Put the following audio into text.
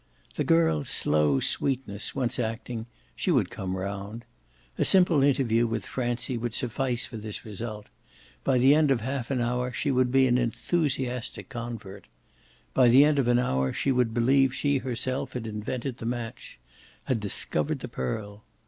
The girl's slow sweetness once acting, she would come round. A simple interview with Francie would suffice for this result by the end of half an hour she should be an enthusiastic convert. By the end of an hour she would believe she herself had invented the match had discovered the pearl.